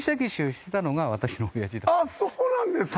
あっそうなんですか！